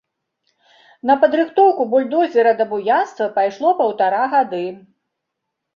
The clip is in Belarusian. На падрыхтоўку бульдозера да буянства пайшло паўтара гады.